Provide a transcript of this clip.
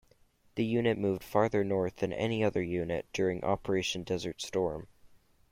The unit moved farther north than any other unit during Operation Desert Storm.